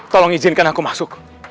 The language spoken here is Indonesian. tolong izinkan aku masuk